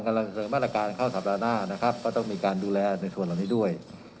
กำลังเสริมมาตรการเข้าสัปดาห์หน้านะครับก็ต้องมีการดูแลในส่วนเหล่านี้ด้วย